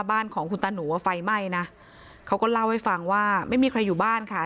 บ้านของคุณตาหนูว่าไฟไหม้นะเขาก็เล่าให้ฟังว่าไม่มีใครอยู่บ้านค่ะ